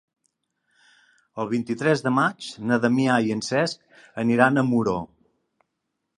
El vint-i-tres de maig na Damià i en Cesc aniran a Muro.